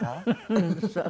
うんそう。